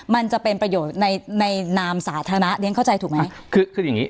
มันจะเป็นประโยชน์ในในนามสาธารณะเรียนเข้าใจถูกไหมคือคืออย่างงี้